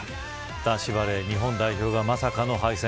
男子バレー日本代表がまさかの敗戦。